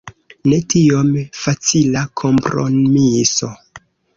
Ne tiom facila kompromiso.